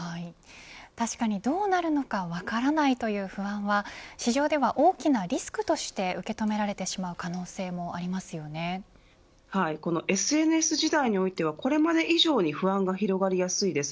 確かにどうなるのか分からないという不安は市場では大きなリスクとして受け止められてしまうはい、このＳＮＳ時代においては、これまで以上に不安が広がりやすいです。